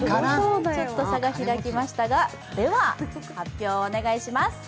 ちょっと差が開きましたが発表をお願いします。